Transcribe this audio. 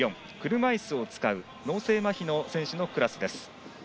車いすを使う脳性まひの選手のクラス。